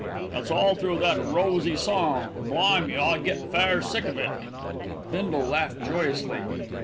"It's all through that rosy song. Blimey! I get fair sick of it." Bindle laughed joyously.